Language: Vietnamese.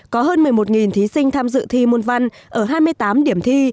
có hơn một mươi một thí sinh tham dự thi môn văn ở hai mươi tám điểm thi